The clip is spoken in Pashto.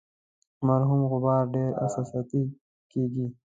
مرحوم غبار ډیر احساساتي کیږي.